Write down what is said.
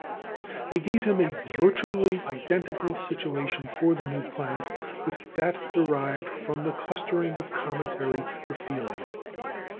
They gave him a virtually identical situation for the new planet with that derived from the clustering of cometary aphelia.